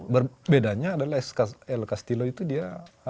berbedanya adalah el castillo itu dia